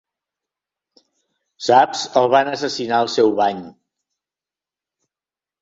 "Saps, el van assassinar al seu bany."